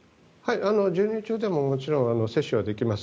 授乳中でももちろん接種はできます。